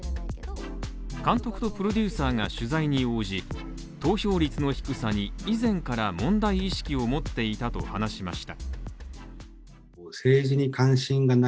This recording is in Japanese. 監督とプロデューサーが取材に応じ、投票率の低さに、以前から問題意識を持っていたと話しました。